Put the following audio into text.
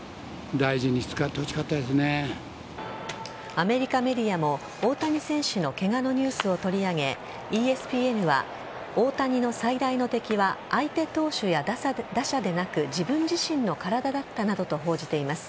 アメリカメディアも大谷選手のケガのニュースを取り上げＥＳＰＮは大谷の最大の敵は相手投手や打者でなく自分自身の体だったなどと報じています。